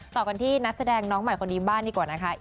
ต่อกันที่นักแสดงน้องใหม่คนนี้บ้านดีกว่านะคะ